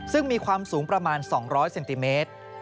ซึ่งมีความสูงประมาณ๒๐๐เซนติเมตร